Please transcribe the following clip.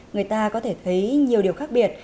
người ta có thể thấy nhiều điều khác biệt